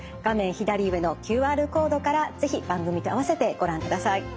左上のＱＲコードから是非番組と併せてご覧ください。